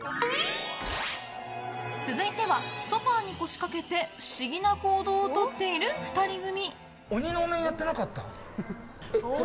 続いてはソファに腰かけて不思議な行動をとっている２人組。